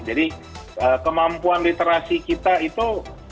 jadi kemampuan literasi kita itu